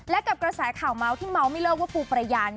และกับกระแสข่าวเมาส์ที่เมาส์ไม่เลิกว่าปูประยา